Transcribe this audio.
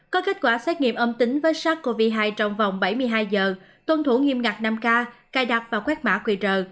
có kết quả xét nghiệm âm tính với sars cov hai trong vòng bảy mươi hai giờ tuân thủ nghiêm ngặt năm k cài đặt và quét mã qr